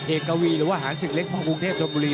เอกวีหรือว่าหารศึกเล็กพ่อกรุงเทพธนบุรี